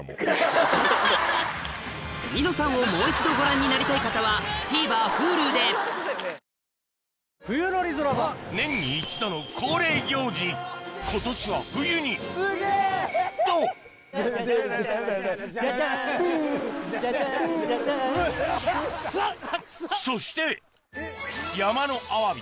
『ニノさん』をもう一度ご覧になりたい方はＴＶｅｒＨｕｌｕで確定申告めんどくさいな。